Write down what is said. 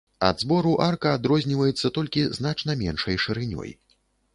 Ад збору арка адрозніваецца толькі значна меншай шырынёй.